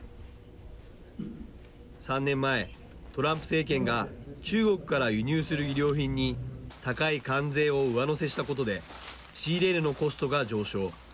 ３年前、トランプ政権が中国から輸入する衣料品に高い関税を上乗せしたことで仕入れ値のコストが上昇。